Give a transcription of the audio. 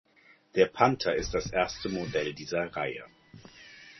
Der Panther ist das erste Modell dieser Reihe.